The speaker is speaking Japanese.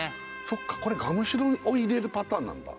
そっかこれガムシロを入れるパターンなんだ